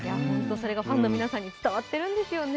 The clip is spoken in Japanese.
それがファンの皆さんに伝わっているんでしょうね。